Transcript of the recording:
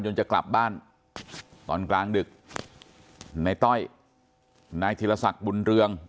จะกลับบ้านตอนกลางดึกในต้อยนายธีรศักดิ์บุญเรือง